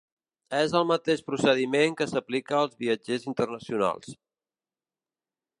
És el mateix procediment que s'aplica als viatgers internacionals.